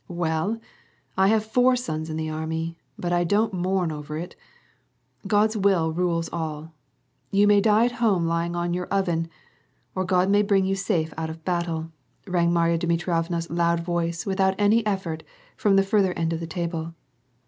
"Well, I have four sons in the army, but I don't mourn over it. God's will rules all. You may die at home lying on your oven, or God may bring you safe out of battle," rang Marya Dmitrievna's loud voice without any effort, from the farther end of the table.